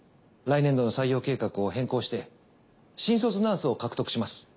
来年度の採用計画を変更して新卒ナースを獲得します。